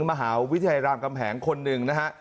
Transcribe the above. มหาวิทยาลามกำแหงคนหนึ่งนะครับ